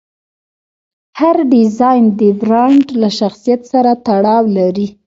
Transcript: هر ډیزاین د برانډ له شخصیت سره تړاو لري.